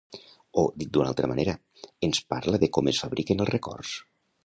O, dit d’una altra manera, ens parla de com es fabriquen els records.